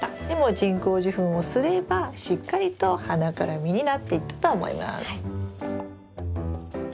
でも人工授粉をすればしっかりと花から実になっていったと思います。